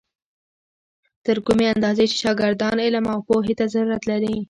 تر کومې اندازې چې شاګردان علم او پوهې ته ضرورت لري.